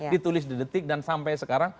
ditulis di detik dan sampai sekarang